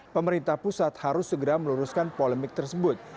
pemerintah pusat harus segera meluruskan polemik tersebut